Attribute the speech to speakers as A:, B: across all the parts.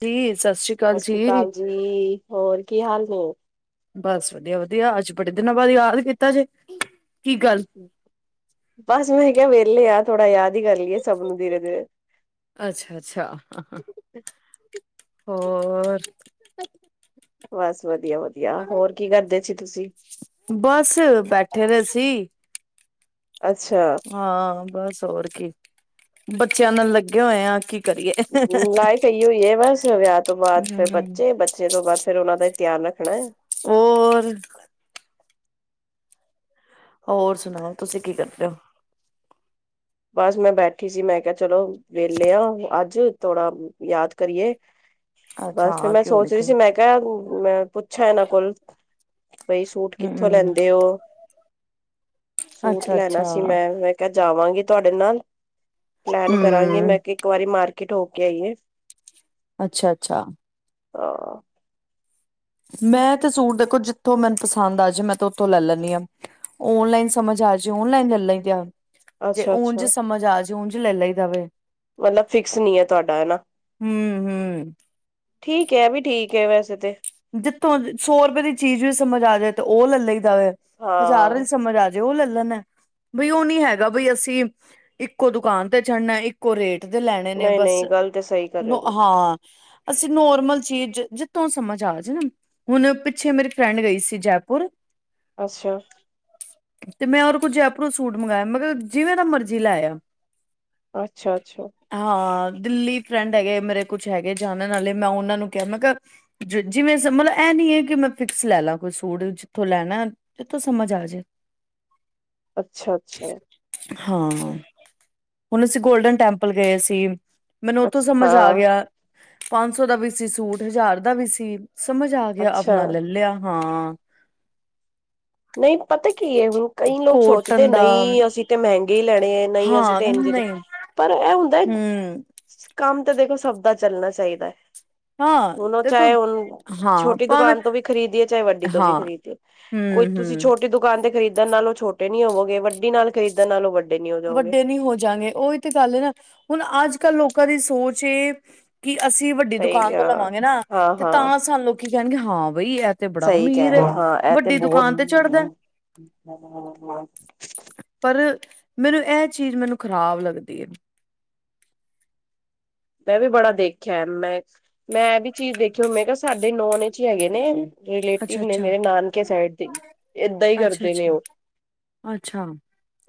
A: ਦੀ ਸਤਿ ਸ੍ਰੀ ਅਕਾਲ ਜੀ।
B: ਜੀ ਹੋਰ ਕੀ ਹਾਲ ਨੇ।
A: ਬਸ ਵਧੀਆ- ਵਧੀਆ ਅੱਜ ਬੜੇ ਦਿਨਾਂ ਬਾਅਦ ਯਾਦ ਕੀਤਾ ਜੇ ਕੀ ਗੱਲ
B: ਬਸ ਮੈਂ ਕਿਹਾ ਵਿਹਲੇ ਆ ਥੋੜਾ ਯਾਦ ਈ ਕਰ ਲਈਏ ਸਭ ਨੂੰ ਦੀਰੇ -ਦੀਰੇ
A: ਅੱਛਾ- ਅੱਛਾ, ਹੋਰ
B: ਬਸ ਵਧੀਆ- ਵਧੀਆ ਹੋਰ ਕੀ ਕਰਦੇ ਸੀ ਤੁਸੀਂ।
A: ਬੱਸ ਬੈਠੇ ਦੇ ਸੀ।
B: ਅੱਛਾ।
A: ਹਾਂ ਬਸ ਹੋਰ ਕੀ, ਬੱਚਿਆਂ ਨਾਲ ਲੱਗੇ ਹੋਏ ਆ ਕਿ
B: ਲਾਈਫ ਆਈਓ ਐ, ਬਸ ਵਿਆਹ ਤੋਂ ਬਾਅਦ ਫੇਰ
A: ਹਮ
B: ਬੱਚੇ- ਬੱਚੇ ਬੱਚੇ ਤੋਂ ਬਾਅਦ ਫੇਰ ਉਹਨਾ ਧਿਆਨ ਰੱਖਣਾ ਐ।
A: ਔਰ ਹੋਰ ਸੁਣਾਓ ਤੁਸੀਂ ਕੀ ਕਰਦੇ ਓ।
B: ਬੱਸ ਮੈਂ ਬੈਠੀ ਸੀ, ਮੈਂ ਕਿਹਾ ਚਲੋ ਵੇਹਲੇ ਆ ਅੱਜ ਥੋੜਾ ਯਾਦ ਕਰੀਏ।
A: ਹੋ ਅੱਛਾ
B: ਬੱਸ ਫਿਰ
A: ਹਾਂ
B: ਮੈਂ
A: ਕਿਉਂ ਨੀ
B: ਸੋਚ ਰਹੀ
A: ਕਿਉਂ
B: ਸੀ ਮੈਂ ਕਿਹਾ ਮੈਂ ਪੁੱਛਾਂ ਇਹਨਾਂ ਕੋਲ ਬਈ ਸੂਟ ਕਿੱਥੋਂ
A: ਹਮ
B: ਲੈਂਦੇ ਹੋ, ਸੂਟ
A: ਅੱਛਾ
B: ਲੈਣਾ
A: ਅੱਛਾ
B: ਸੀ ਮੈਂ ਕਿ ਜਾਵਾਂਗੀ ਤੁਹਾਡੇ ਨਾਲ, ਪਲੈਨ ਕਰਾਂਗੀ
A: ਹਮ
B: ਮੈਂ ਕਿਹਾ ਇੱਕ ਵਾਰੀ ਮਾਰਕੀਟ ਹੋ ਕੇ ਆਈਏ।
A: ਅੱਛਾ-ਅੱਛਾ।
B: ਹਾਂ।
A: ਮੈਂ ਤੇ ਸੂਟ ਦੇਖੋ, ਜਿੱਥੋਂ ਮੈਨੂੰ ਪਸੰਦ ਪਸੰਦ ਆਜੇ ਮੈਂ ਤੇ ਉੱਥੋਂ ਲੈ ਲੈਣੀ ਹਾਂ, ਓਨਲਾਈਨ ਸਮਝ ਆਜੇ ਓਨਲਾਈਨ ਲੈ ਲਈਦਾ। ਜੇ
B: ਅੱਛਾ ਅੱਛਾ
A: ਊਂਝ ਸਮਝ ਆਜੇ ਉਂਝ ਲੈ ਲਈ ਦਾ ਵੇ।
B: ਮਤਲਬ ਫਿਕਸ ਨੀ ਐ ਤੁਹਾਡਾ ਹਨਾ।
A: ਹੂੰ-ਹੂੰ।
B: ਠੀਕ ਹੈ, ਆ ਵੀ ਠੀਕ ਹੈ ਵੈਸੇ ਤੇ
A: ਜਿੱਥੋਂ ਸੌ ਰੁਪਏ ਦੀ ਚੀਜ਼ ਵੀ ਸਮਝ ਆ ਜਾਵੇ ਤੇ ਉਹ ਲੈ ਲਈ ਦਾ ਵੇ
B: ਹਾਂ
A: ਹਜ਼ਾਰ ਸਮਝ ਆ ਜਾ ਜੇ ਉਹ ਲੈ ਲੈਣਾ, ਬਈ ਉਹ ਨੀ ਹੈਗਾ ਬਈ ਅਸੀਂ ਇੱਕੋ ਦੁਕਾਨ ਤੇ ਚੜਨਾ ਇੱਕ ਕੋ ਰੇਟ ਦੇ ਲੈਣੇ ਨੇ
B: ਨਹੀਂ
A: ਬੱਸ,
B: ਨਹੀਂ ਗੱਲ ਤੇ ਸਹੀ ਕਰ ਰਹੇ
A: ਓ
B: ਹੋ ਤੁਸੀਂ
A: ਹਾਂ। ਅਸੀਂ ਨੋਰਮਲ ਚੀਜ਼ ਜਿ ਜਿਥੋ ਸਮਝ ਆ। ਹੁਣ ਪਿੱਛੇ ਮੇਰੀ ਫਰੈਂਡ ਗਈ ਸੀ ਜੈਪੁਰ
B: ਅੱਛਿਆ।
A: ਤੇ ਮੈਂ ਓਹਨੂੰ ਕੁੱਝ ਜੈਪੁਰੋ ਸੂਟ ਮੰਗਾਇਆ ਮਗਰ ਜਿਵੇਂ ਦਾ ਮਰਜ਼ੀ ਲਾਇਆ।
B: ਅੱਛਾ-ਅੱਛਾ।
A: ਹਾਂ ਦਿੱਲੀ ਫਰੈਂਡ ਹੈਗੇ ਮੇਰੇ ਕੁਛ ਹੈਗੇ ਜਾਣਨ ਆਲੇ ਮੈਂ ਉਹਨਾਂ ਨੂੰ ਕਿਹਾ ਮੈਂ ਕਿਹਾ ਜ- ਜਿਵੇਂ ਸਮਲ ਇਹ ਨੀ ਹੈ ਕਿ ਮੈਂ ਫਿਕਸ ਲੈ ਲਾ ਕੋਈ ਸੂਟ ਜਿੱਥੋਂ ਲੈਣਾ, ਜਿਥੋਂ ਸਮਝ ਆ ਜੇ।
B: [inaudible] ਅੱਛਾ
A: ਹਾਂ, ਹੁਣ ਅਸੀਂ ਗੋਲਡਨ ਟੈਂਪਲ ਗੲੇ ਸੀ। ਮੈਨੂੰ ਉਥੋਂ
B: ਅੱਛਾ
A: ਸਮਝ ਆ
B: ਹਾਂ
A: ਗਿਆ, ਪੰਜ ਸੌ ਦਾ ਵੀ ਸੀ ਸੂਟ, ਹਜ਼ਾਰ ਦਾ ਵੀ ਸੀ। ਸਮਝ ਆ ਗਿਆ
B: ਅੱਛਾ
A: ਆਪਣਾ ਲੈ ਲਿਆ ਹਾਂ।
B: ਨਹੀਂ ਪਤਾ ਕੀ ਹੈ, ਹੁਣ ਕਈ ਲੋਕ ਸੋਚਦੇ
A: ਕੋਟਨ ਦਾ
B: ਨਹੀਂ ਅਸੀਂ ਤਾਂ ਮਹਿੰਗੇ ਹੀ ਲੈਣੇ ਹੈ, ਨਹੀਂ ਅਸੀਂ
A: ਹਾਂ
B: ਤੇ ਇੰਜ ਦੇ,
A: ਨਹੀਂ
B: ਪਰ ਇਹ ਹੁੰਦਾ ਹੈ
A: ਹਮ
B: ਕੰਮ ਤੇ ਦੇਖੋ ਸਭ ਦਾ ਚੱਲਣਾ ਚਾਹੀਦਾ ਹੈ।
A: ਹਾਂ
B: ਹੁਣ ਉਹ
A: ਦੇਖੋ
B: ਚਾਹੇ ਹੁਣ
A: ਹਾਂ
B: ਛੋਟੀ
A: ਭਾਵੇਂ
B: ਦੁਕਾਨ ਤੋਂ ਵੀ ਖ਼ਰੀਦੀਏ ਚਾਹੇ ਵੱਡੀ ਤੋਂ ਵੀ ਖਰੀਦੀਏ।
A: ਹੂੰ।
B: ਕੋਈ ਤੁਸੀਂ ਛੋਟੀ ਦੁਕਾਨ ਤੇ ਖਰੀਦਣ ਨਾਲੋ ਉਹ ਛੋਟੇ ਨੀ ਹੋਵੋਗੇ ਵੱਡੀ ਨਾਲ, ਖਰੀਦਣ ਨਾਲ ਉਹ ਵੱਡੇ ਨੀ ਜਾਓਗੇ।
A: ਵੱਡੇ ਨਹੀਂ ਹੋ ਜਾਂਗੇ, ਉਹੀ ਤੇ ਗੱਲ ਹੈ ਨਾ ਹੁਣ ਅੱਜ-ਕੱਲ ਲੋਕਾਂ ਦੀ ਸੋਚ ਇਹ ਕਿ ਅਸੀਂ ਵੱਡੀ
B: ਸਹੀ
A: ਦੁਕਾਨ ਤੋਂ
B: ਆ, ਹਾਂ,
A: ਲਵਾਂਗੇ ਨਾ, ਤੇ
B: ਹਾਂ-ਹਾਂ
A: ਤਾਂ ਸਾਨੂੰ ਲੋਕੀ ਕਹਿਣਗੇ ਹਾਂ ਬਈ ਐਹ
B: ਸਹੀ ਕਹਿ ਰਹੇ ਹਾਂ ਇਹ ਤੇ ਬਹੁਤ
A: ਤੇ ਚੜ੍ਹਦਾ ਪਰ ਮੈਨੂੰ ਇਹ ਚੀਜ਼ ਮੈਨੂੰ ਖ਼ਰਾਬ ਲੱਗਦੀ ਐ।
B: ਮੈਂ ਵੀ ਬੜਾ ਦੇਖਿਆ ਮੈਂ, ਮੈਂ ਇਹ ਵੀ ਚੀਜ਼ ਦੇਖੀ ਮੈਂ ਕਿਹਾ ਸਾਡੇ ਨੋਨ ਚ ਹੈਗੇ ਨੇ
A: ਅੱਛਾ
B: ਰਿਲੇਟਿਵ ਨੇ
A: ਅੱਛਾ
B: ਮੇਰੇ ਨਾਨਕੇ ਸਾਈਡ ਦੇ ਏਦਾਂ ਹੀ
A: ਅੱਛਾ
B: ਕਰਦੇ ਨੇ
A: ਅੱਛਾ
B: ਉਹ।
A: ਅੱਛਾ।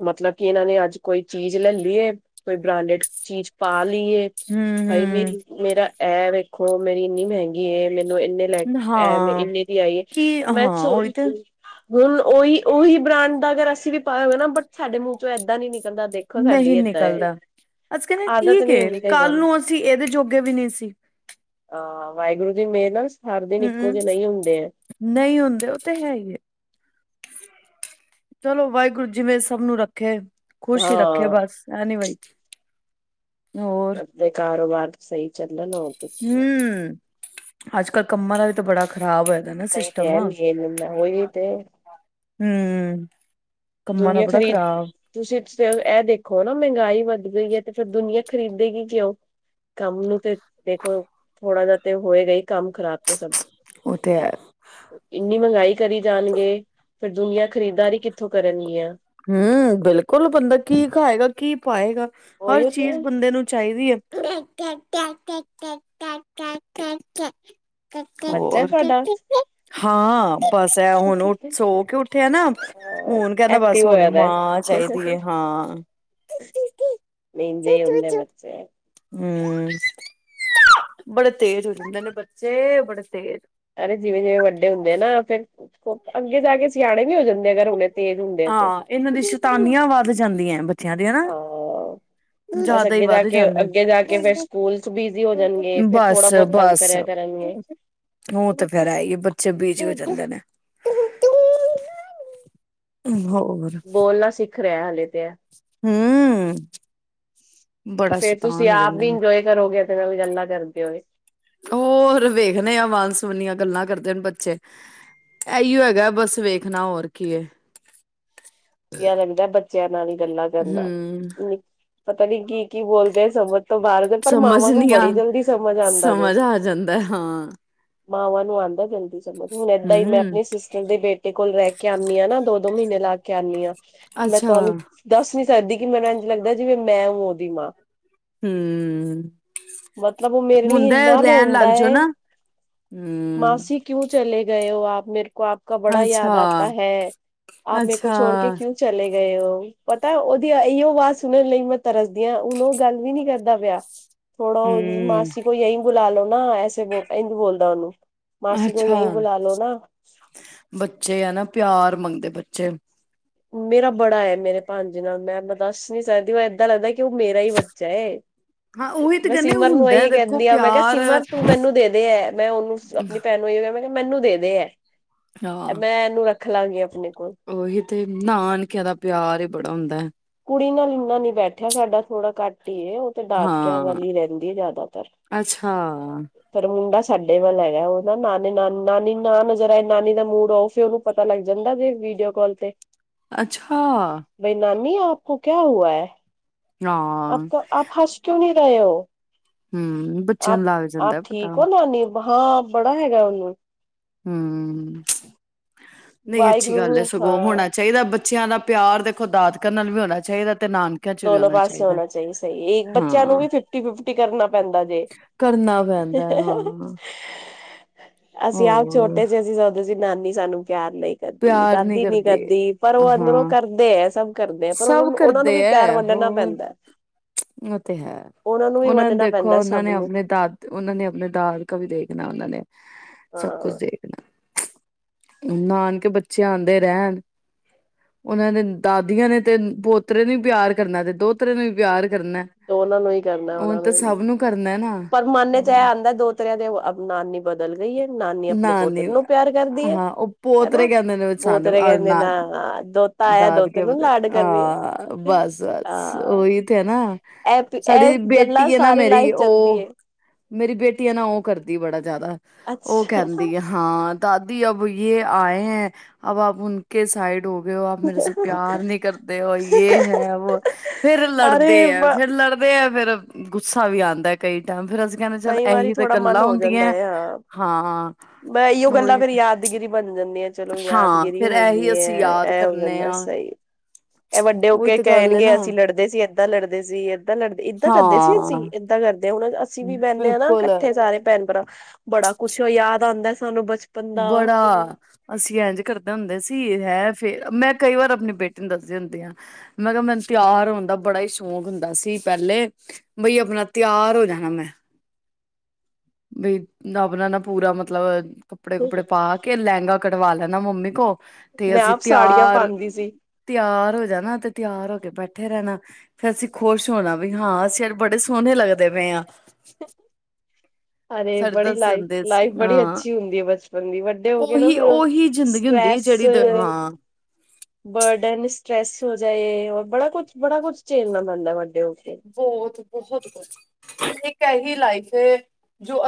B: ਮਤਲਬ ਕਿ ਇਹਨਾਂ ਨੇ ਅੱਜ ਕੋਈ ਚੀਜ਼ ਲੈ ਲਈਏ ਕੋਈ ਬ੍ਰਾਂਡਡ ਚੀਜ਼ ਪਾ ਲਈਏ।
A: ਹੂੰ
B: ਭਾਈ
A: ਹੂੰ
B: ਮੇਰੀ ਮੇਰਾ ਇਹ ਵੇਖੋ ਮੇਰੀ ਇੰਨੀ ਮਹਿੰਗੀ ਐ, ਮੈਨੂੰ ਇੰਨੇ ਲੈ ਐਵੇ
A: ਹਾਂ
B: ਇੰਨੇ ਦੀ ਆਈ ਹੈ
A: ਕੀ
B: ਮੈਂ
A: ਹਾਂ
B: ਸੋਚ
A: ਉਹੀ ਤੇ
B: ਹੁਣ ਉਹੀ-ਉਹੀ ਬ੍ਰਾਂਡ ਦਾ ਅਗਰ ਅਸੀਂ ਵੀ ਪਾਇਆ ਹੋਇਆ ਨਾ ਬਟ ਸਾਡੇ ਮੂੰਹ ਚੋਂ ਇੱਦਾਂ ਨੀ ਨ
A: ਨਹੀਂ ਨਿਕਲਦਾ, ਅਸੀ ਕਹਿੰਦੇ
B: ਆਦਤ
A: ਠੀਕ
B: ਨੀ
A: ਏ
B: ਹੁੰਦੀ ਕਈਆਂ
A: ਕੱਲ ਨੂੰ ਅਸੀਂ ਇਹਦੇ ਜੋਗੇ ਵੀ ਨਹੀਂ ਸੀ।
B: ਹਾਂ ਵਾਹਿਗੁਰੂ ਦੀ ਮੇਹਰ ਨਾਲ ਹਰ ਦਿਨ ਇੱਕੋ
A: ਹੂੰ
B: ਜਿਹੇ ਨਹੀਂ ਹੁੰਦੇ ਆ।
A: ਨਹੀਂ ਹੁੰਦੇ, ਉਹ ਤੇ ਹੈ ਹੀ ਹੈ। ਚਲੋ ਵਾਹਿਗੁਰੂ ਜਿਵੇਂ ਸਭ ਨੂੰ ਰੱਖੇ ਖੁਸ਼
B: ਹਾਂ
A: ਹੀ ਰੱਖੇ ਬਸ ਹੈ ਨੀ ਵਾਹਿ ਹੋਰ?
B: ਦੇ ਕਾਰੋਬਾਰ ਸਹੀ ਚੱਲਣ ਹੋਰ ਤੇ ਕੀ ਹੈ
A: ਹੂੰ, ਅੱਜ -ਕੱਲ੍ਹ ਕੰਮਾਂ ਦਾ ਵੀ ਤਾਂ ਬੜਾ ਖ਼ਰਾਬ ਹੋਏਦਾ ਨਾ
B: ਨਹੀਂ ਤੇ
A: ਸਿਸਟਮ,
B: ਹੈ ਮੇਨ ਉਹੀ ਤੇ
A: ਹੂੰ। ਕੰਮਾਂ ਦਾ
B: ਦੁਨੀਆਂ
A: ਬੜਾ
B: ਖਰੀਦ
A: ਖ਼ਰਾਬ
B: ਤੁਸੀਂ ਇਸ ਟਾਈਮ ਐ ਦੇਖੋ ਨਾ, ਮਹਿੰਗਾਈ ਵਧ ਗਈ ਏ ਤੇ ਫਿਰ ਦੁਨੀਆਂ ਖਰੀਦੇਗੀ ਕਿਉਂ? ਕੰਮ ਨੂੰ ਤੇ ਦੇਖੋ ਥੋੜਾ ਜਾ ਤੇ ਹੋਏਗਾ ਹੀ ਕੰਮ ਖ਼ਰਾਬ ਤੇ ਸਭ
A: ਓ ਤੇ ਹੈ।
B: ਇੰਨੀ ਮਹਿੰਗਾਈ ਕਰੀ ਜਾਣਗੇ, ਫਿਰ ਦੁਨੀਆਂ ਖਰੀਦਦਾਰੀ ਕਿੱਥੋਂ ਕਰਨਗੀਆਂ।
A: ਹੂੰ, ਬਿਲਕੁਲ ਬੰਦਾ ਕੀ ਖਾਏਗਾ, ਕੀ ਪਾਏਗਾ, ਹਰ
B: ਉਹੀਓ ਤੇ
A: ਚੀਜ਼ ਬੰਦੇ ਨੂੰ ਚਾਹੀਦੀ ਐ। ਕਾ ਕਾ ਕਾ ਕਾ
B: ਬੱਚਾ
A: ਹੋਰ?
B: ਤੁਹਾਡਾ
A: ਹਾਂ ਬਸ ਐ ਹੁਣ ਸੋ ਕੇ ਉੱਠਿਆ ਨਾ, ਹੁਣ ਕਹਿੰਦਾ ਬਸ
B: ਐਕਟਿਵ
A: ਹੁਣ
B: ਹੋਇਆ ਦਾ
A: ਮਾਂ ਚਾਹੀਦੀ ਏ, ਹਾਂ।
B: ਮੇਨ ਜੇ ਹੁੰਦੇ ਬੱਚੇ
A: ਹੂੰ, ਬੜੇ ਤੇਜ਼ ਹੋ ਜਾਂਦੇ ਨੇ ਬੱਚੇ, ਬੜੇ ਤੇਜ਼
B: ਅਰੇ ਜਿਵੇਂ-ਜਿਵੇਂ ਵੱਡੇ ਹੁੰਦੇ ਆ ਨਾ ਫਿਰ, ਅੱਗੇ ਜਾ ਕੇ ਸਿਆਣੇ ਵੀ ਹੋ ਜਾਂਦੇ ਆ, ਅਗਰ ਹੁਣੇ ਤੇਜ਼ ਹੁੰਦੇ ਆ ਤੇ।
A: ਏਨਾਂ ਦੀ ਸ਼ੈਤਾਨੀਆਂ ਵੱਧ ਜਾਂਦੀਆਂ ਬੱਚਿਆਂ ਦੀ ਹਨਾ।
B: ਹਾਂ ਬਸ ਅੱਗੇ ਜਾ ਕੇ, ਅੱਗੇ ਜਾਕੇ ਫੇਰ ਸਕੂਲ ਚ ਬਿਜੀ ਹੋ ਜਾਣਗੇ,
A: ਨੇ
B: ਫੇਰ
A: ਬਸ
B: ਥੋੜਾ ਬਹੁਤ ਤੰਗ
A: ਬਸ
B: ਕਰਿਆ ਕਰਨਗੇ।
A: ਉਹ ਤੇ ਫਿਰ ਐ ਈ ਏ, ਬੱਚੇ ਬੀਜੀ ਹੋ ਜਾਂਦੇ ਨੇ। ਹੋਰ।
B: ਬੋਲਣਾ ਸਿੱਖ ਰਿਹਾ ਹਲੇੇ ਤੇ ਆ।
A: ਹੂੰ, ਬੜਾ ਸ਼ੈਤਾਨ ਹੋ ਜਾਂਦੇ ਨੇ।
B: ਚਿਰ ਹੋ ਗਿਆ ਤੇਰੇ ਨਾਲ ਗੱਲਾਂ ਕਰਦੇ ਹੋਏ।
A: ਹੋਰ ਵੇਖਣੇ ਆ ਵਨ ਸਵਨੀਆਂ ਗੱਲਾਂ ਕਰਦੇ ਨੇ ਬੱਚੇ। ਐਈਓ ਹੈਗਾ ਬਸ ਵੇਖਣਾ, ਹੋਰ ਕੀ ਏ।
B: [inaudible] ਵਧੀਆ ਰਹਿੰਦਾ ਬੱਚਿਆਂ ਨਾਲ ਹੀ ਗੱਲਾਂ ਕਰਨਾ,
A: ਹਮ
B: ਪਤਾ ਨੀ ਕੀ-ਕੀ ਬੋਲਦੇ ਸਮਝ ਤੋਂ ਬਾਹਰ ਦੇ ਪਰ
A: ਸਮਝ
B: ਮਾਵਾਂ ਨੂੰ
A: ਨੀ ਆ
B: ਬੜੀ ਜਲਦੀ ਸਮਝ ਆਂਦਾ ਜੇ।
A: ਸਮਝ ਆ ਜਾਂਦਾ ਹਾਂ
B: ਮਾਵਾਂ ਨੂੰ ਆਂਦਾ ਜਲਦੀ ਸਮਝ, ਹੁਣ ਏਦਾਂ ਹੀ
A: ਹਮ
B: ਆਪਣੀ ਸਿਸਟਰ ਦੇ ਬੇਟੇ ਕੋਲ ਰਹਿ ਕੇ ਆਨੀ ਆ, ਨਾ ਦੋ- ਦੋ ਮਹੀਨੇ ਲਾਕੇ ਆਨੀ ਆ। ਮੈਂ
A: ਅੱਛਾ
B: ਤੁਹਾਨੂੰ ਦੱਸ ਨੀ ਸਕਦੀ ਕਿ ਮੈਨੂੰ ਇੰਝ ਲੱਗਦਾ ਜਿਵੇਂ ਮੈਂ ਹੋਵਾਂ ਓਦੀ ਮਾਂ।
A: ਹੂੰ,
B: ਮਤਲਬ ਉਹ ਮੇਰੇ ਲਈ
A: ਹੁੰਦਾ ਏ ਓ
B: ਇੰਨਾ
A: ਰਹਿਣ ਲੱਗ
B: ਰੋਂਦਾ
A: ਜਾਓ ਨਾ ਹੂੰ।
B: ਕਿਉਂ ਚਲੇ ਗਏ ਹੋ ਆਪ, ਮੇਰੇ ਕੋ ਆਪ ਕਾ ਬੜਾ ਯਾਦ
A: ਅੱਛਾ
B: ਆਤਾ ਹੈ, ਆਪ ਮੇਰੇ ਕੋ
A: ਅੱਛਾ
B: ਚਲੇ ਗਏ ਹੋ। ਪਤਾ ਉਹਦੀ ਇਓ ਆਵਾਜ਼ ਸੁਣਨ ਲਈ ਮੈਂ ਤਰਸਦੀ ਆ, ਹੁਣ ਉਹ ਗੱਲ ਵੀ ਨੀ ਕਰਦਾ ਪਿਆ। ਥੋੜਾ ਉਹਦੀ
A: ਹੂੰ
B: ਮਾਸੀ ਕੋ ਯਹੀ ਬੁਲਾ ਲੋ ਨਾ, ਐਸੇ ਬ ਇੰਝ ਬੋਲਦਾ ਉਹਨੂੰ। ਮਾਸੀ ਕੋ
A: ਅੱਛਾ!
B: ਯਹੀਂ
A: ਬੱਚੇ ਆ ਨਾ ਪਿਆਰ ਮੰਗਦੇ ਬੱਚੇ।
B: ਮੇਰਾ ਬੜਾ ਐ ਮੇਰੇ ਭਾਣਜੇ ਨਾਲ, ਮੈਂ-ਮੈਂ ਦੱਸ ਨੀ ਸਕਦੀ ਮੈਂ ਏਦਾਂ ਲੱਗਦਾ ਕਿ ਉਹ ਮੇਰਾ ਹੀ ਬੱਚਾ ਏ।
A: ਹਾਂ ਉਹੀ ਤੇ
B: ਮੈਂ
A: ਕਹਿੰਦੇ
B: ਸਿਮਰ ਨੂੰ
A: ਹੁੰਦਾ
B: ਇਹੀ
A: ਦੇਖੋ
B: ਕਹਿੰਦੀ ਆਂ, ਮੈਂ ਕਿਹਾ
A: ਪਿਆਰ
B: ਸਿਮਰ ਤੂੰ ਮੈਨੂੰ ਦੇ ਐ। ਮੈਂ ਉਹਨੂੰ ਆਪਣੀ ਭੈਣ ਨੂੰ ਇਹ ਕਿਹਾ ਮੈਂ ਮੈਨੂੰ ਦੇ ਐ,
A: ਹਾਂ
B: ਮੈਂ ਇਹਨੂੰ ਰੱਖ ਲਾਂਗੀ ਆਪਣੇ ਕੋਲ।
A: ਉਹੀ ਤੇ ਨਾਨਕਿਆਂ ਦਾ ਪਿਆਰ ਈ ਬੜਾ ਹੁੰਦਾ।
B: ਕੁੜੀ ਨਾਲ ਇੰਨਾ ਨੀ ਬੈਠਿਆ ਸਾਡਾ ਥੋੜਾ ਘੱਟ ਹੀ ਏ। ਤੇ ਦਾਦਕਿਆਂ
A: ਹਾਂ
B: ਵੱਲ ਹੀ ਰਹਿੰਦੀ ਐ ਜ਼ਿਆਦਾਤਰ।
A: ਅੱਛਾ
B: ਪਰ ਮੁੰਡਾ ਸਾਡੇ ਵੱਲ ਹੈਗਾ ਉਹ ਨਾ ਨਾਨੇ ਨਾਨ ਨਾਨੀ ਨਾ ਨਜ਼ਰ ਆਏ, ਨਾਨੀ ਦਾ ਮੂਡ ਔਫ ਉਹਨੂੰ ਪਤਾ ਲੱਗ ਜਾਂਦਾ ਵੀ ਵੀਡੀਓ ਕਾਲ ਤੇ
A: ਅੱਛਾ।
B: ਬਾਈ ਨਾਨੀ ਆਪ ਕੋ ਕਿਆ ਹੁਆ ਐ,
A: ਹਾਂ
B: ਆਪ ਆਪ ਹੱਸ ਕਿਉਂ ਨੀ ਰਹੇ ਓ,
A: ਹਮ ਬੱਚਿਆਂ
B: ਆਪ
A: ਨੂੰ ਲੱਗ
B: ਆਪ
A: ਜਾਂਦਾ ਪਤਾ
B: ਠੀਕ ਹੋ ਨਾਨੀ। ਹਾਂ ਬੜਾ ਹੈਗਾ ਉਹਨੂੰ।
A: ਹੂੰ, ਨਹੀਂ ਅੱਛੀ ਗੱਲ ਐ
B: ਵਾਹਿਗੁਰੂ
A: ਸਗੋਂ
B: ਹਾਂ
A: ਹੁਣਾ ਚਾਹੀਦਾ ਬੱਚਿਆਂ ਦਾ ਪਿਆਰ ਦੇਖੋ ਦਾਦਕਿਆ ਨਾਲ ਵੀ ਹੋਣਾ ਚਾਹੀਦਾ ਤੇ ਨਾਨ
B: ਦੋਨੋਂ ਪਾਸੇ ਹੋਣਾ ਚਾਹੀ ਸਹੀ, ਬੱਚਿਆਂ ਨੂੰ
A: ਹਾਂ
B: ਵੀ ਫਿਫਟੀ-ਫਿਫਟੀ ਕਰਨਾ ਪੈਂਦਾ ਜੇ।
A: ਕਰਨਾ ਪੈਂਦਾ
B: ਅਅ ਹ ਸ
A: ਹਾਂ
B: ਅਸੀਂ ਆਪ
A: ਹੋਰ
B: ਛੋਟੇ ਸੀ, ਅਸੀਂ ਜਦੋਂ ਸੀ ਨਾਨੀ ਸਾਨੂੰ ਪਿਆਰ ਨਈ ਕਰਦੀ,
A: ਪਿਆਰ ਨਹੀਂ
B: ਦਾਦੀ ਨੀ
A: ਕਰਦੇ
B: ਕਰਦੀ ਪਰ ਉਹ ਅੰਦਰੋਂ
A: ਹਾਂ
B: ਕਰਦੇ ਐ, ਸਭ ਕਰਦੇ ਐ ਪਰ ਉਹਨਾਂ
A: ਸਭ
B: ਨੂੰ ਉਹਨਾਂ ਨੂੰ
A: ਕਰਦੇ
B: ਵੀ ਪਿਆਰ
A: ਹੈ
B: ਵੰਡਣਾ
A: ਹੋਰ,
B: ਪੈਂਦਾ
A: ਉਹ ਤੇ ਹੈ,
B: ਵੀ
A: ਉਹਨਾਂ ਨੂੰ
B: ਵੰਡਣਾ
A: ਦੇਖੋ
B: ਪੈਂਦਾ
A: ਉਹਨਾਂ
B: ਸਭ
A: ਨੇ
B: ਨੂੰ
A: ਆਪਣੇ ਦਾ ਉਹਨਾਂ ਨੇ ਆਪਣੇ ਦਾਦਕਾ ਵੀ ਦੇਖਣਾ ਉਹਨਾਂ ਨੇ, ਸਭ ਕੁਛ
B: ਹਾਂ
A: ਦੇਖਣਾ। ਨਾਨਕੇ ਬੱਚੇ ਆਂਦੇ ਰਹਿਣ। ਉਹਨਾਂ ਨੇ ਦਾਦੀਆਂ ਨੇ ਤੇ ਪੋਤਰੇ ਨੂੰ ਵੀ ਪਿਆਰ ਕਰਨਾ ਤੇ ਦੋਹਤਰੇ ਨੂੰ ਵੀ ਪਿਆਰ ਕਰਨਾ।
B: ਦੋਨਾਂ ਨੂੰ ਹੀ ਕਰਨਾ
A: ਹੁਣ
B: ਉਹਨਾਂ
A: ਤਾਂ
B: ਨੇ ਵੀ,
A: ਸਭ ਨੂੰ ਕਰਨਾ ਨਾ
B: ਪਰ ਮੰਨ ਚ ਐ ਆਂਦਾ ਦੋ ਤਰ੍ਹਾਂ ਦੇ ਨਾਨੀ ਬਦਲ ਗਈ ਐ ਨਾਨੀ ਆਪਣੇ
A: ਨਾ ਨੀ
B: ਪੋਤਰੇ ਨੂੰ ਪਿਆਰ ਕਰਦੀ ਏ,
A: ਹਾਂ ਉਹ ਪੋਤਰੇ
B: ਹਨਾ
A: ਕਹਿੰਦੇ ਨੇ ਸਾਨੂੰ
B: ਪੋਤਰੇ ਕਹਿੰਦੇ ਨਾ ਦੋਹਤਾ ਆਇਆ ਦੋਹਤੇ
A: ਦਾਦਕੇ
B: ਨੂੰ
A: ਪਤਾ
B: ਲਾਡ ਕਰੀ
A: ਹਾਂ
B: ਰਹੀ
A: ਬਸ
B: ਆ,
A: ਬਸ
B: ਹਾਂ।
A: ਉਹੀ ਤੇ ਨਾ
B: ਇਹ ਇਹ
A: ਸਾਡੀ
B: ਗੱਲਾਂ
A: ਬੇਟੀ ਐ ਨਾ
B: ਸਾਰੀ ਲਾਈਫ
A: ਮੇਰੀ
B: ਚੱਲਦੀ
A: ਉਹ
B: ਹੈ
A: ਮੇਰੀ ਬੇਟੀ ਐ ਨਾ ਓ ਕਰਦੀ ਆ ਬੜਾ ਜ਼ਿਆਦਾ ਉਹ ਕਹਿੰਦੀ ਆ
B: ਅੱਛਾ
A: ਹਾਂ ਦਾਦੀ ਅਬ ਯੇ ਆਏ ਐ ਅਬ ਆਪ ਉਨਕੇ ਸਾਈਡ ਹੋ। ਆਪ ਮੇਰੇ ਸੇ ਪਿਆਰ ਨੀ ਕਰਤੇ ਹੋ ਯੇ ਹੈ ਵੋ ਫੇਰ
B: ਅਰੇ
A: ਲੜਦੇ
B: ਬ
A: ਐ ਫੇਰ ਲੜ ਲੜਦੇ ਆ ਫੇਰ ਗੁੱਸਾ ਵੀ ਆਂਦਾ ਕਈ ਟਾਈਮ, ਫੇਰ ਅਸੀਂ ਕਹਿੰਦੇ ਚੱਲ
B: ਕਈ ਵਾਰੀ
A: ਐਹੀ ਤੇ
B: ਥੋੜਾ ਮਨ
A: ਗੱਲਾਂ
B: ਹੋ ਜਾਂਦਾ
A: ਹੁੰਦੀਆਂ।
B: ਹੈ ਹਾਂ।
A: ਹਾਂ,
B: ਮੈਂ ਇਓ ਗੱਲਾਂ
A: ਉਹੀ
B: ਫੇਰ ਯਾਦਗਿਰੀ ਬਣ ਜਾਂਦੀ ਐ, ਚਲੋ
A: ਹਾਂ
B: ਯਾਦਗਿਰੀ
A: ਫੇਰ
B: ਹੋ
A: ਇਹੀ
B: ਗਈ
A: ਅਸੀਂ
B: ਐ,
A: ਯਾਦ
B: ਐਹ ਹੋ
A: ਕਰਨੇ
B: ਜਾਂਦਾ
A: ਆ
B: ਸਹੀ। ਐ ਵੱਡੇ ਹੋ
A: ਉਹੀ
B: ਕੇ
A: ਤੇ ਗੱਲ ਹੈ
B: ਕਹਿਣਗੇ
A: ਨਾ
B: ਅਸੀਂ ਲੜਦੇ ਸੀ, ਏਦਾਂ ਲੜਦੇ ਸੀ, ਏਦਾਂ ਲੜਦੇ ਏਦਾਂ ਕਰਦੇ ਸੀ
A: ਹਾਂ
B: ਅਸੀਂ। ਐਦਾਂ ਕਰਦੇ ਹੁਣ ਅਸੀਂ ਵੀ ਬਹਿਣੇ ਆ ਨਾ
A: ਬਿਲਕੁਲ
B: ਕੱਠੇ ਸਾਰੇ ਭੈਣ ਭਰਾ ਬੜਾ ਕੁਛ ਯਾਦ ਆਂਦਾ ਸਾਨੂੰ ਬਚਪ
A: ਬੜਾ। ਅਸੀਂ ਐਂਝ ਕਰਦੇ ਹੁੰਦੇ ਸੀ ਹੈ ਫੇਰ ਮੈਂ ਕਈ ਵਾਰ ਆਪਣੀ ਬੇਟੀ ਨੂੰ ਦੱਸਦੀ ਹੁੰਦੀ ਹਾਂ। ਮੈਂ ਕਹਾ ਮੈਨੂੰ ਤਿਆਰ ਹੋਣ ਦਾ ਬੜਾ ਹੀ ਸ਼ੌਕ ਹੁੰਦਾ ਸੀ ਪਹਿਲੇ। ਬਈ ਆਪਣਾ ਤਿਆਰ ਹੋ ਜਾਣਾ ਮੈਂ। ਬਈ ਅਪਣਾ ਨਾ ਪੂਰਾ ਮਤਲਬ ਕੱਪੜੇ ਕੁਪੜੇ ਪਾ ਕੇ ਲਹਿੰਗਾ ਕਢਵਾ ਲੈਣਾ ਮੰਮੀ ਕੋਲ। ਤੇ
B: ਮੈਂ
A: ਅਸੀਂ
B: ਆਪ ਸਾੜੀਆਂ
A: ਤਿਆਰ,
B: ਪਾਉਂਦੀ ਸੀ।
A: ਤਿਆਰ ਹੋ ਜਾਣਾ ਤੇ ਤਿਆਰ ਹੋ ਕੇ ਬੈਠੇ ਰਹਿਣਾ। ਫਿਰ ਅਸੀਂ ਖੁਸ਼ ਹੋਣਾ ਵੀ ਹਾਂ ਅਸੀਂ ਅੱਜ ਬੜੇ ਸੋਹਣੇ ਲੱਗਦੇ ਪਏ ਆ।
B: ਅਰੇ
A: ਸਾਡੇ
B: ਬੜੀ
A: ਦਸ
B: ਲਾਈਫ
A: ਜਾਂਦੇ ਸੀ
B: ਲਾਈਫ ਬੜੀ
A: ਹਾਂ,
B: ਅੱਛੀ ਹੁੰਦੀ ਹੈ ਬਚਪਨ ਦੀ ਵੱਡੇ ਹੋ ਕੇ ਨਾ
A: ਉਹੀ
B: ਫੇਰ
A: ਉਹੀ ਜ਼ਿੰਦਗੀ ਹੁੰਦੀ ਏ। ਜਿਹੜੀ ਦੇ
B: ਸਟਰ੍ਰੈਸ
A: ਹਾਂ।
B: [inaudible] ਬਰਡਨ ਸਟਰ੍ਰੈਸ ਹੋ ਜਾਏ ਔਰ ਬੜਾ ਕੁਛ ਬੜਾ ਕੁਛ ਝੇਲਣਾ ਪੈਂਦਾ ਵੱਡੇ ਹੋ ਕੇ।
A: ਬਹੁਤ ਬਹੁਤ ਖੁਸ਼ ਇੱਕ ਹੈਗੀ ਲਾਈਫ ਜੋ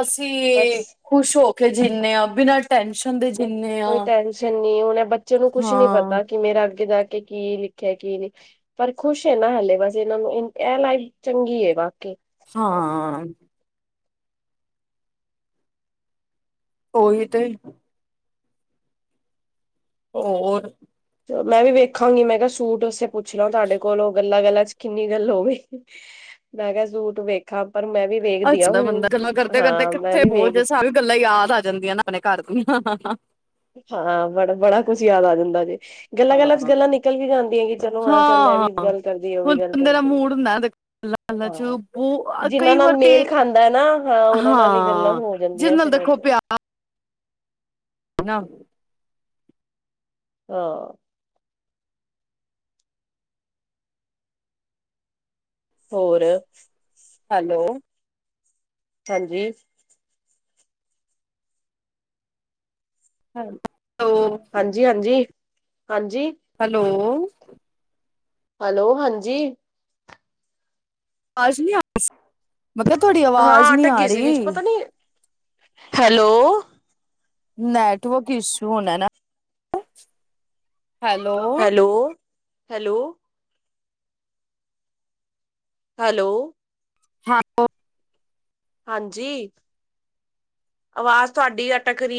B: ਬਸ
A: ਅਸੀਂ ਖੁਸ਼ ਹੋ ਕੇ ਜਿੰਨੇ ਆ ਬਿਨਾਂ ਟੈਨਸ਼ਨ ਦੇ ਜਿੰਨੇ-
B: ਕੋਈ ਟੈਨਸ਼ਨ ਨੀ ਹੁਣ ਏ ਬੱਚੇ ਨੂੰ ਕੁਛ ਨੀ
A: ਹਾਂ
B: ਪਤਾ ਕਿ ਮੇਰਾ ਅੱਗੇ ਜਾ ਕੇ ਕੀ ਲਿਖਿਆ ਕੀ ਨਹੀਂ। ਪਰ ਖੁਸ਼ ਨਾ ਹਲੇ ਬਸ ਇਹਨਾਂ ਨੂੰ ਇਹ ਲਾਈਫ ਚੰਗੀ ਹੈ ਵਾਕਈ।
A: ਹਾਂ। ਓਹੀ ਤੇ। ਹੋਰ?
B: ਮੈਂ ਵੀ ਵੇਖਾਂਗੀ ਮੈਂ ਕਿਹਾ ਸੂਟ ਸੇ ਪੁੱਛ ਲਾ ਤਾਡੇ ਕੋਲੋਂ ਗੱਲਾਂ -ਗੱਲਾਂ ਚ ਕਿੰਨੀ ਗੱਲ ਹੋਗੀ। ਮੈਂ ਕਿਆ ਸੂਟ ਵੇਖਾਂ ਪਰ ਮੈਂ ਵੀ ਵੇਖਦੀ
A: ਅੱਚ
B: ਹਾਂ
A: ਦਾ
B: ਹੁਣ
A: ਬੰਦਾ ਗੱਲਾਂ ਕਰਦੇ -ਕਰਦੇ
B: ਹਾਂ ਮੈਂ
A: ਕਿੱਥੇ
B: ਵੀ ਵੇਖ
A: ਬੋਤ ਸਾਰ ਗੱਲਾਂ ਯਾਦ ਆ ਜਾਂਦੀਆਂ ਨਾ ਆਪਣੇ ਘਰ ਦੀਆਂ।
B: ਹਾਂ ਬੜਾ-ਬੜਾ ਕੁਛ ਯਾਦ ਆ ਜਾਂਦਾ ਜੇ। ਗੱਲਾਂ - ਗੱਲਾਂ ਚ ਗੱਲਾਂ ਨਿਕਲ ਵੀ ਜਾਂਦੀਆਂ ਕਿ ਚਲੋ ਹਾਂ ਚੱਲ ਇਹ ਵੀ ਗੱਲ ਕਰਦੀ ਉਹ ਵੀ
A: ਹੁਣ
B: ਗੱਲ
A: ਬੰਦੇ ਦਾ
B: ਕਰਦੀ।
A: ਮੂਡ ਹੁੰਦਾ ਗੱਲਾਂ ਚ
B: ਹਾਂ,
A: ਬਹੁ
B: ਜਿੰਨਾਂ
A: ਕਈ
B: ਨਾਲ
A: ਵਾਰ ਤੇ
B: ਮੇਲ ਖਾਂਦਾ ਨਾ, ਹਾਂ ਓਨਾ ਨਾਲ ਈ ਗੱਲਾਂ
A: ਹਾਂ
B: ਹੋ ਜਾਂਦੀਆਂ
A: ਜਿਹਦੇ ਨਾਲ
B: ਫੇਰ
A: ਦੇਖੋ
B: ਰੋਜ-ਰੋਜ
A: ਪਿਆਰ ਨਾ [unintelligible]
B: ਆ। ਹੋਰ?
A: ਹਾਲੋ।
B: ਹਾਂਜੀ।
A: ਹਾਂ ਨ, ਲੋ
B: ਹਾਂਜੀ- ਹਾਂਜੀ, ਹਾਂਜੀ।
A: ਹਲੋ।
B: ਹਲੋ ਹਾਂਜੀ।
A: ਵਾਜ਼ ਨੀ ਆ, ਮੈਂ ਕਿਆ ਥੋਡੀ
B: ਹਾਂ
A: ਅਵਾਜ਼ ਨੀ
B: ਅਟਕ
A: ਆ
B: ਗਈ ਸੀ
A: ਰੀ।
B: ਵਿੱਚ ਪਤਾ ਨੀ ਹੈਲੋ।
A: ਨੈਟਵਰਕ ਇਸ਼ੂ ਹੋਣਾ ਨਾ। ਹੈਲੋ।
B: Hello, hello. ਹੈਲੋ।
A: ਹਾਂ [unintelligible]
B: ਹਾਂਜੀ, ਆਵਾਜ਼ ਤੁਹਾਡੀ ਅਟਕ ਰੀ